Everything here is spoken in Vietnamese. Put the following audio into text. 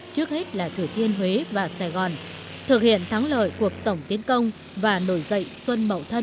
trước hết là thủy thiên huế và sài gòn thực hiện thắng lợi cuộc tổng tiến công và nổi dậy xuân mậu thân một nghìn chín trăm sáu mươi tám